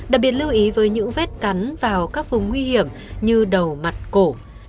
đặc biệt lưu ý với những vết cắn vào các vùng nguy hiểm như đầu mặt cổ